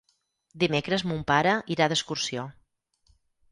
Dimecres mon pare irà d'excursió.